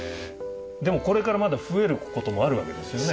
でもこれからまだ増えることもあるわけですよね？